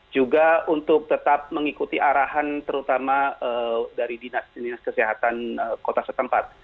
juga untuk tetap mengikuti arahan terutama dari dinas dinas kesehatan kota setempat